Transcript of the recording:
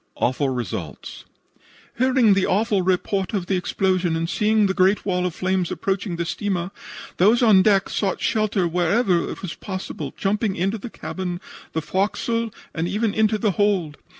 AWFUL RESULTS "Hearing the awful report of the explosion and seeing the great wall of flames approaching the steamer, those on deck sought shelter wherever it was possible, jumping into the cabin, the forecastle and even into the hold.